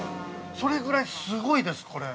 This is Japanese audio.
それぐらいすごいです、これ。